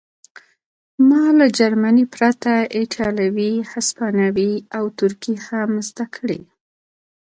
ما له جرمني پرته ایټالوي هسپانوي او ترکي هم زده کړې